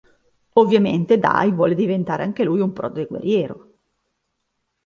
Ovviamente, Dai vuole diventare anche lui un Prode Guerriero.